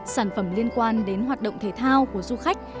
sản phẩm liên quan đến hoạt động thể thao của du khách